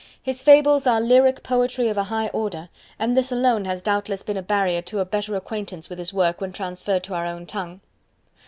His Fables are lyric poetry of a high order, and this alone has doubtless been a barrier to a better acquaintance with his work when transferred to our own tongue.